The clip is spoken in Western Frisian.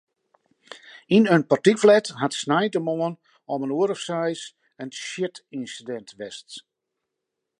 Yn in portykflat hat sneintemoarn om in oere of seis in sjitynsidint west.